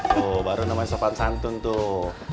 tuh baru namanya sopan santun tuh